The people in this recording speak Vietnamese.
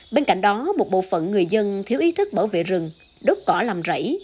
bên cạnh đó một bộ phận người dân thiếu ý thức bảo vệ rừng đốt cỏ làm rẫy